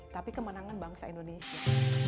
tapi kemenangan bangsa indonesia